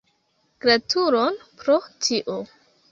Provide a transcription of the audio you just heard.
Gratulon pro tio!